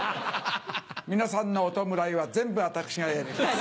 皆さんのお弔いは全部私がやります。